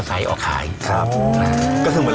ก็คือไม่เคยยังไง